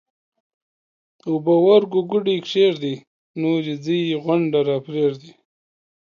اوبه ورګو ګوډي کښېږدئ ـ نورې ځئ غونډه راپرېږدئ